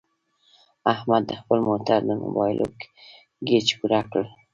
احمد د خپل موټر د مبلایلو ګېچ پوره کړ.